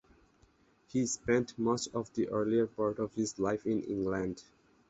He spent much of the earlier part of his life in England.